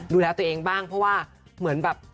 ดูแลตัวเองบ้างเพราะว่าเหมือนแบบ